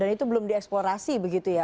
dan itu belum di eksplorasi begitu ya